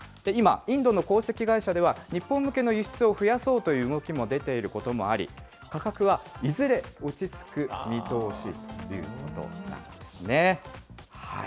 今、インドの鉱石会社では、日本向けの輸出を増やそうという動きも出ていることもあり、価格はいずれ落ち着く見通しということなんですね。